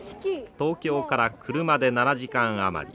東京から車で７時間余り。